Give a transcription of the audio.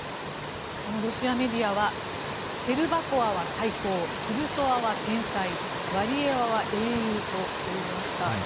ロシアメディアはシェルバコワは最高トゥルソワは天才ワリエワは英雄と報じました。